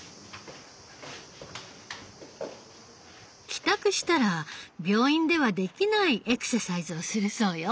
帰宅したら病院ではできないエクササイズをするそうよ。